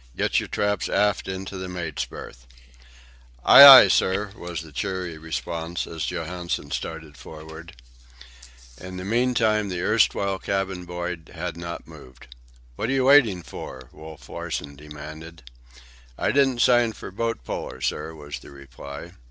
Get your traps aft into the mate's berth." "Ay, ay, sir," was the cheery response, as Johansen started forward. In the meantime the erstwhile cabin boy had not moved. "What are you waiting for?" Wolf Larsen demanded. "I didn't sign for boat puller, sir," was the reply.